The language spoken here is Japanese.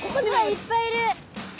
わっいっぱいいる！